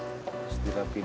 ya udah dikamar